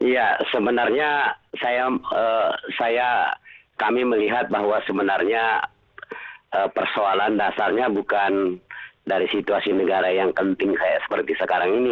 ya sebenarnya kami melihat bahwa sebenarnya persoalan dasarnya bukan dari situasi negara yang penting seperti sekarang ini